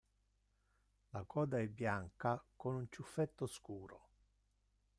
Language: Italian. La coda è bianca con ciuffetto scuro.